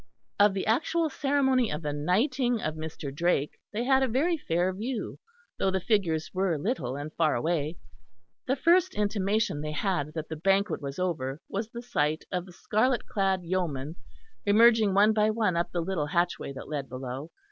Of the actual ceremony of the knighting of Mr. Drake they had a very fair view, though the figures were little and far away. The first intimation they had that the banquet was over was the sight of the scarlet clad yeomen emerging one by one up the little hatchway that led below.